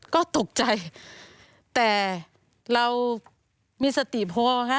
ก็ตกใจแต่เรามีสติพอค่ะ